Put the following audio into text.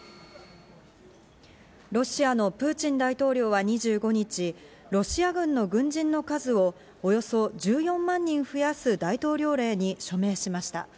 ロシアのプーチン大統領は２５日、ロシア軍の軍人の数をおよそ１４万人増やす大統領令に署名しました。